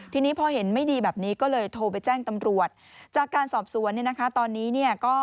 ที่นี้พอเห็นไม่ดีนี่แบบนี้